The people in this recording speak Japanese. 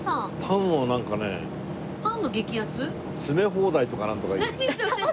詰め放題とかなんとかいう。